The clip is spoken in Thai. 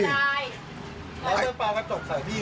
กระจกกระจกแล้วทำไม